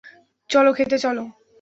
চলো, খেতে চলো।